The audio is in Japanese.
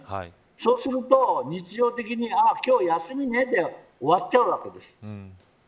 そうすると日常的に今日、休みねで終わっちゃうわけです。